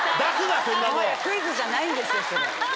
クイズじゃないんですよそれ。